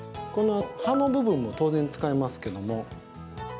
葉の部分も当然、使えますけども。